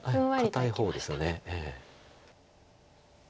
堅い方ですよね。